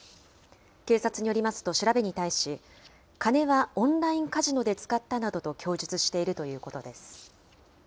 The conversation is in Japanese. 警察によりますと、調べに対し、金はオンラインカジノで使ったなどと供述しているということです。